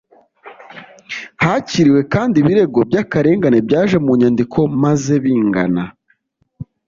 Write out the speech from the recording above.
Hakiriwe kandi ibirego by akarengane byaje mu nyandiko maze bingana